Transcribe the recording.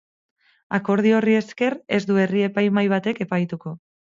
Akordio horri esker, ez du herri-epaimahai batek epaituko.